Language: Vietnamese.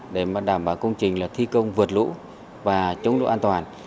để đảm bảo công trình là thi công vượt lũ và chống lũ an toàn